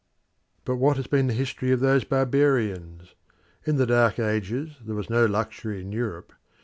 But what has been the history of those barbarians? In the Dark Ages there was no luxury in Europe.